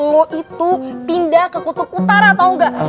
lo itu pindah ke kutub utara tau gak